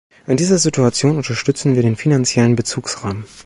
In dieser Situation unterstützen wir den finanziellen Bezugsrahmen.